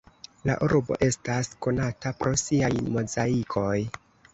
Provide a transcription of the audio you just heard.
La urbo estas konata pro siaj mozaikoj.